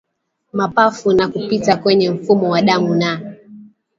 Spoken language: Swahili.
mapafu na kupita kwenye mfumo wa damu na